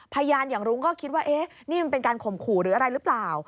พยานอย่างรุ้งก็คิดว่าเอ๊ะนี่มันเป็นการข่มขู่หรืออะไรหรือเปล่า